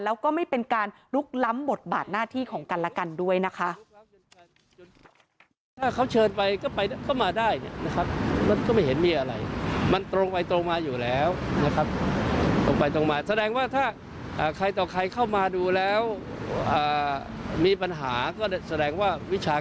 แล้วก็ไม่เป็นการลุกล้ำบทบาทหน้าที่ของกันและกันด้วยนะคะ